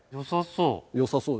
良さそう。